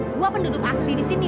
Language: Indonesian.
dua penduduk asli di sini